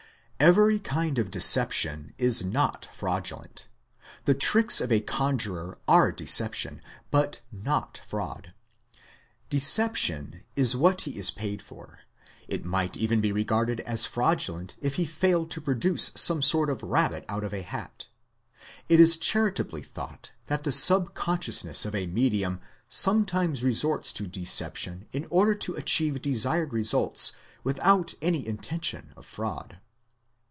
Every kind of deception is not fraudulent. The tricks of a conjurer are deception, but not fraud. Deception is what he is paid for; it might even be regarded as fraudulent if he failed to produce some sort of rabbit out of a hat. It is charitably thought that the subconsciousness of a medium sometimes resorts to deception in order to achieve desired results without any inten tion of fraud.